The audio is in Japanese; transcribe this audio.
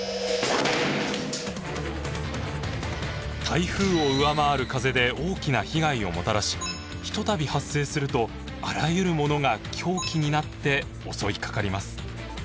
台風を上回る風で大きな被害をもたらし一たび発生するとあらゆるものが凶器になって襲いかかります。